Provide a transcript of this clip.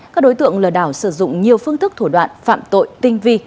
các đối tượng lừa đảo sử dụng nhiều phương thức thủ đoạn phạm tội tinh vi